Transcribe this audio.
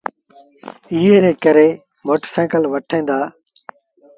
ايئي ري ڪري موٽر سآئيٚڪل وٺيٚن دآ۔